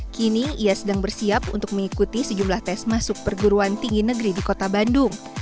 kini ia sedang bersiap untuk mengikuti sejumlah tes masuk perguruan tinggi negeri di kota bandung